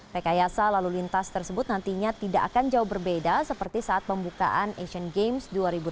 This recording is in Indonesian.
rekayasa lalu lintas tersebut nantinya tidak akan jauh berbeda seperti saat pembukaan asian games dua ribu delapan belas